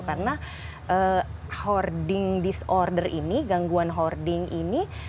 karena hoarding disorder ini gangguan hoarding ini